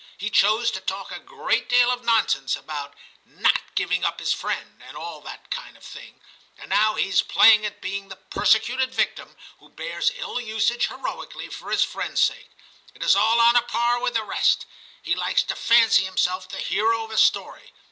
He chose to talk a great deal of nonsense about not giving up his friend," and all that kind of thing; and now he is playing at being the persecuted victim, who bears ill usage heroically for his friend s sake. It is all on a par with the rest. He likes to fancy himself the hero of a story.